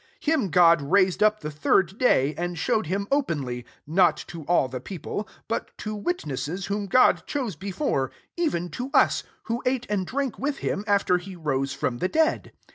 40 Him God raised up the third day; and showed him openly, 41 not to all the people, but to witnesses whom God chose before, even to us, who ate and drank with him after he rose from the dead.